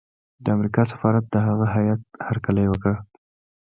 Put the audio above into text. د امریکا سفارت د هغه هیات هرکلی وکړ.